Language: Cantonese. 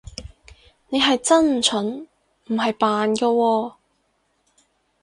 你係真蠢，唔係扮㗎喎